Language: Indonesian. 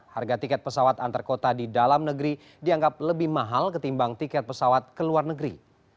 harga tiket pesawat antar kota di dalam negeri dianggap lebih mahal ketimbang tiket pesawat ke luar negeri